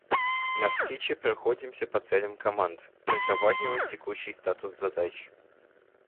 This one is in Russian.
На встрече проходимся по целям команд, проговариваем текущий статус задач.